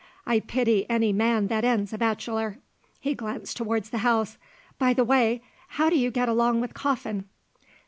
I pity any man that ends a bachelor." He glanced towards the house. "By the way, how do you get along with Coffin?"